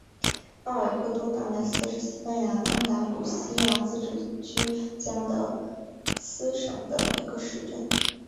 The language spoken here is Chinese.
阿尔戈多纳莱斯是西班牙安达卢西亚自治区加的斯省的一个市镇。